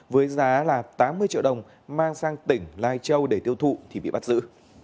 với giá là tám mươi triệu đồng mang sang tỉnh lai châu để tiêu thụ thì bị bắt giữ